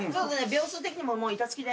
秒数的にも板付きで。